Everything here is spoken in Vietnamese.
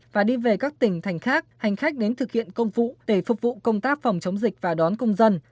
và đi về các tỉnh thành khác hành khách đến thực hiện công vụ để phục vụ công tác phòng chống dịch và đón công dân